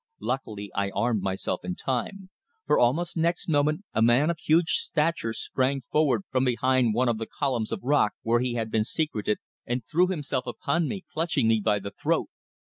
Luckily I armed myself in time, for almost next moment a man of huge stature sprang forward from behind one of the columns of rock where he had been secreted and threw himself upon me, clutching me by the throat.